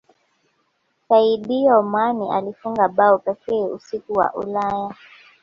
saidio mane alifunga bao pekee usiku wa ulaya